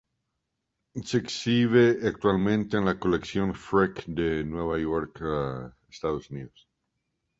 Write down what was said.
Se exhibe actualmente en la Colección Frick de Nueva York, Estados Unidos.